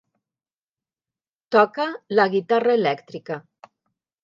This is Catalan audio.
Toca la guitarra elèctrica.